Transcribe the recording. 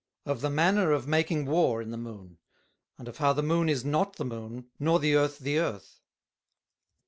_Of the Manner of making War in the Moon; and of how the Moon is not the Moon, nor the Earth the Earth.